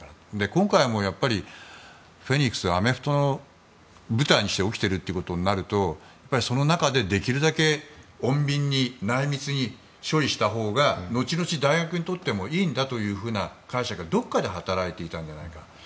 今回もフェニックス、アメフトを舞台に起きているとなるとその中でできるだけ穏便に内密に処理したほうが後々、大学にとってもいいんだという解釈がどこかで働いていたんじゃないかと。